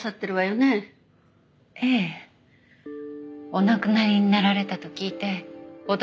お亡くなりになられたと聞いて驚いてます。